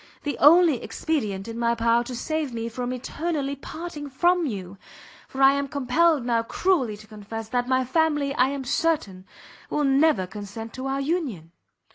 the only expedient in my power to save me from eternally parting from you! for I am compelled now cruelly to confess, that my family, I am certain, will never consent to our union!"